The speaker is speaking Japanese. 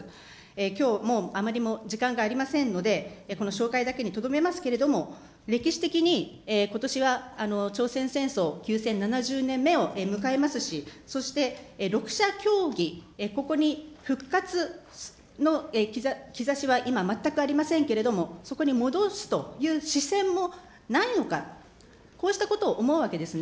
きょうもう、あまりもう時間がありませんので、この紹介だけにとどめますけれども、歴史的にことしは朝鮮戦争休戦７０年目を迎えますし、そして、６者協議、ここに復活の兆しは今全くありませんけれども、そこに戻すという姿勢もないのか、こうしたことを思うわけですね。